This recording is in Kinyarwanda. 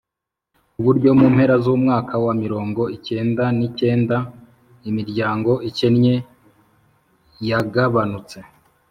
ku buryo mu mpera z'umwaka wa mirongo icyenda n’icyenda imiryango ikennye yagabanutse